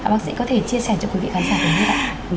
bác sĩ có thể chia sẻ cho quý vị khán giả đúng không ạ